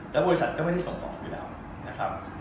แล้วบริษัทก็ไม่ได้ส่งออกอยู่แล้วนะครับ